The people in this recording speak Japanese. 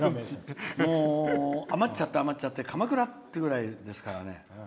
余っちゃって余っちゃってかまくらってぐらいですから。